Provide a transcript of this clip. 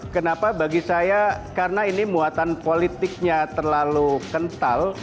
kenapa bagi saya karena ini muatan politiknya terlalu kental